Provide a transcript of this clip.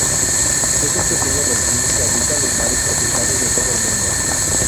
Es un pequeño delfín que habita los mares tropicales de todo el mundo.